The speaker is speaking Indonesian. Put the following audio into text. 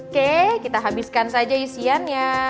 oke kita habiskan saja isiannya